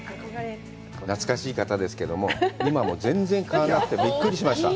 懐かしい方ですけども、今も全然変わらなくて、びっくりしました。